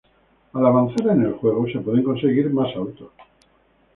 Al avanzar en el juego se pueden conseguir más autos.